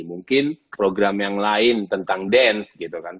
mungkin program yang lain tentang dance gitu kan